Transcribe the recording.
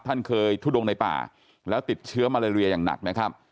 ท่านเคยทุดงในป่าแล้วติดเชื้อมาเลเรียอย่างหนักนะครับ